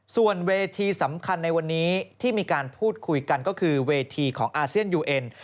ส่วนเวทีสำคัญในวันนี้ที่มีการพูดคุยกันก็คือเวทีของอาเซียนยูเอ็น